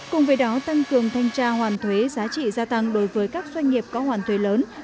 cùng với đó tăng cường thanh tra hoàn thuế giá trị gia tăng đối với các doanh nghiệp có hoàn thuế lớn